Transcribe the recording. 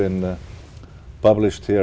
những khó khăn